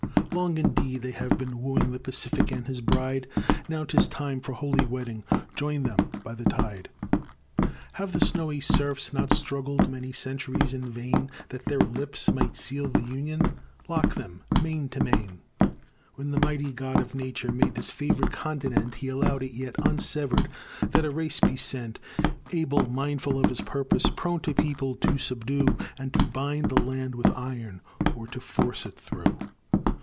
Long indeed they have been wooing, The Pacific and his bride; Now 'tis time for holy wedding Join them by the tide. Have the snowy surfs not struggled Many centuries in vain That their lips might seal the Union? Lock them main to main. When the mighty God of nature Made this favored continent, He allowed it yet unsevered, That a race be sent, Able, mindful of his purpose, Prone to people, to subdue, And to bind the land with iron, Or to force it through.